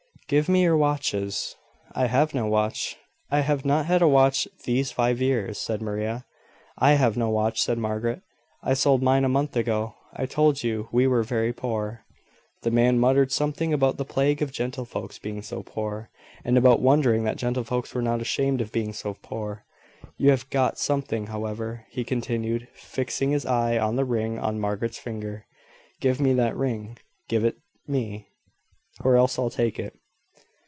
"Give me your watches." "I have no watch. I have not had a watch these five years," said Maria. "I have no watch," said Margaret. "I sold mine a month ago. I told you we were very poor." The man muttered something about the plague of gentlefolks being so poor, and about wondering that gentlefolks were not ashamed of being so poor. "You have got something, however," he continued, fixing his eye on the ring on Margaret's finger. "Give me that ring. Give it me, or else I'll take it."